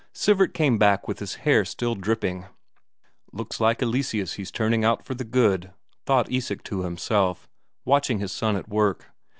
Sivert came back with his hair still dripping. "Looks like Eleseus he's turning out for the good," thought Isak to himself, watching his son at work.